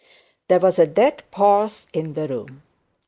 There was a dead pause in the room.